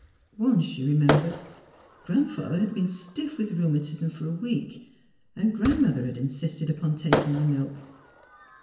Once, she remembered. Grandfather had been stiff with rheumatism for a week and Grand 104 THE HEART OF PHILURA mother had insisted upon taking the milk.